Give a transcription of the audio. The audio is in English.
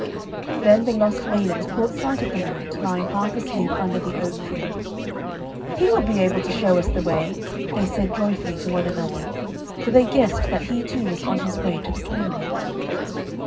Then the lost maidens caught sight of the knight, lying half asleep under the oak tree. 'He will be able to show us the way,' they said joyfully to one another, for they guessed that he too was on his way to the tournament.